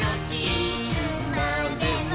いつまでも。